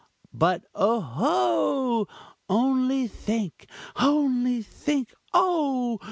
But, oho! only think only think, oh!